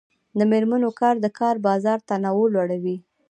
د میرمنو کار د کار بازار تنوع لوړوي.